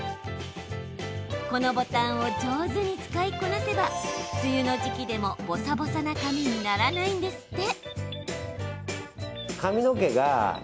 このボタンを上手に使いこなせば梅雨の時期でも、ボサボサな髪にならないんですって。